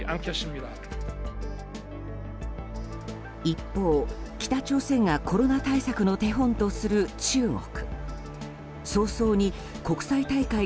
一方、北朝鮮がコロナ対策の手本とする中国。